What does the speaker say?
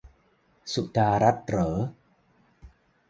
สุดารัตน์เหรอ